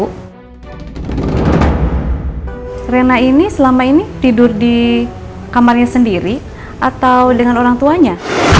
jadi reina selama ini tidur di kamarnya sendiri atau dengan orang tuanya